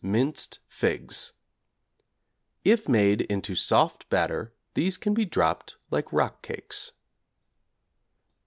minced figs. (If made into soft batter these can be dropped like rock cakes).